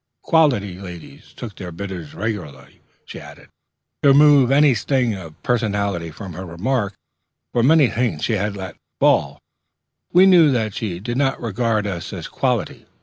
"Quality ladies took their bitters regular," she added, to remove any sting of personality from her remark; for, from many things she had let fall, we knew that she did not regard us as quality.